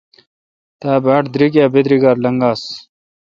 تا باڑ دریک اے° بدراگار لنگاس۔